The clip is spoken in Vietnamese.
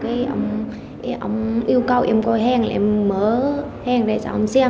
thì ông yêu cầu em gọi hàng em mở hàng để xong xem